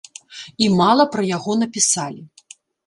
І мала пра яго напісалі.